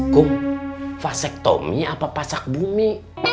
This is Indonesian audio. kum fasektomi apa pasak bumi